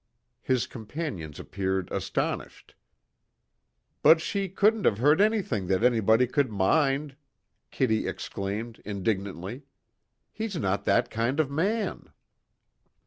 His companions appeared astonished. "But she couldn't have heard anything that anybody could mind," Kitty exclaimed indignantly. "He's not that kind of man."